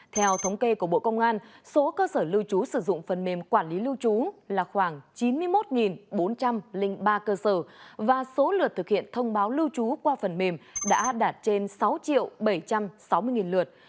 theo thống kê của bộ công an số cơ sở lưu trú sử dụng phần mềm quản lý lưu trú là khoảng chín mươi một bốn trăm linh ba cơ sở và số lượt thực hiện thông báo lưu trú qua phần mềm đã đạt trên sáu bảy trăm sáu mươi lượt